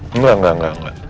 enggak enggak enggak